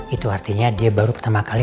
itu artinya dia baru pertama kali